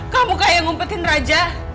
kamu kayak ngumpetin raja